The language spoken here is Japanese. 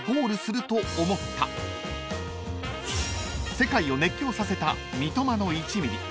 ［世界を熱狂させた三笘の１ｍｍ］